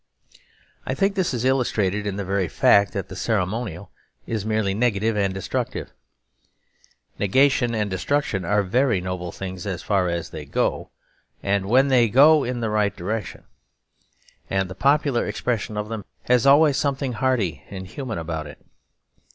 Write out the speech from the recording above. I think this is illustrated in the very fact that the ceremonial is merely negative and destructive. Negation and destruction are very noble things as far as they go, and when they go in the right direction; and the popular expression of them has always something hearty and human about it.